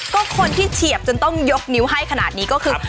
ก็คนที่เฉียบจนต้องยกนิ้วให้ขนาดนี้ก็คือ